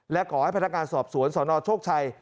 และขอให้พนักงานสอบสวนสนโชคชัย